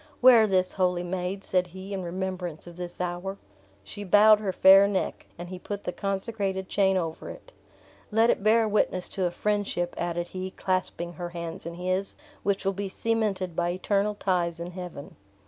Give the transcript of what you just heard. "Wear this, holy maid," said he, "in remembrance of this hour!" She bowed her fair neck, and he put the consecrated chain over it. "Let it bear witness to a friendship," added he, clasping her hands in his, "which will be cemented by eternal ties in heaven."